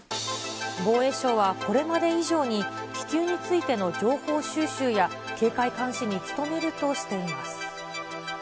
防衛省はこれまで以上に気球についての情報収集や警戒監視に努めるとしています。